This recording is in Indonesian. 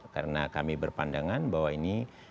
karena kami berpandangan bahwa ini